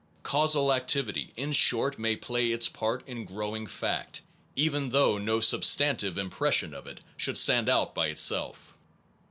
Causal activity, in short, may play its part in growing fact, even though no substantive impression of it should stand out by itself.